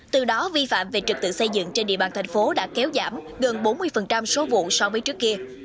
từ đó vi phạm về trực tự xây dựng trên địa bàn thành phố đã kéo giảm gần bốn mươi số vụ so với trước kia